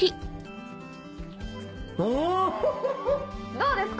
どうですか？